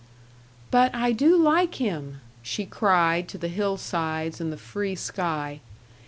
"But I do like him!" she cried to the hillsides and the free sky.